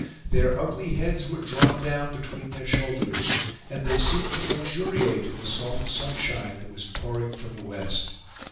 Their ugly heads were drawn down between their shoulders, and they seemed to luxuriate in the soft sunshine that was pouring from the west.